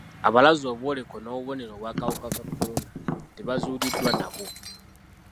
Abaalaze obwoleko n'obubonero obw'akawuka ka kolona tebazuuliddwa nabwo.